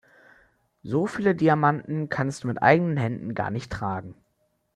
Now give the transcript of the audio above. So viele Diamanten kannst du mit eigenen Händen gar nicht tragen.